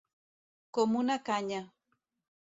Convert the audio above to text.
Com una canya.